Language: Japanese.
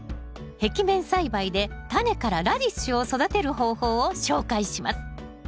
壁面栽培でタネからラディッシュを育てる方法を紹介します。